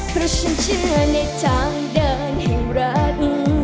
เพราะฉันเชื่อในทางเดินแห่งรัก